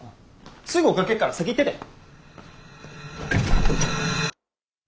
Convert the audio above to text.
すぐ追っかけっから先行ってて。